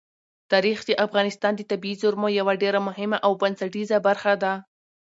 تاریخ د افغانستان د طبیعي زیرمو یوه ډېره مهمه او بنسټیزه برخه ده.